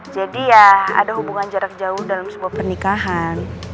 jadi ya ada hubungan jarak jauh dalam sebuah pernikahan